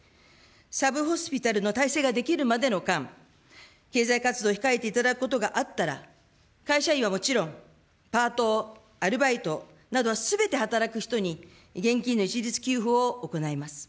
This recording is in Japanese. サブホスピタルの体制ができるまでの間、経済活動を控えていただくことがあったら、会社員はもちろん、パート、アルバイトなどすべて働く人に現金の一律給付を行います。